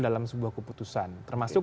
dalam sebuah keputusan termasuk